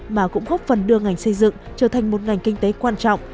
mà cũng góp phần đưa ngành xây dựng trở thành một ngành kinh tế quan trọng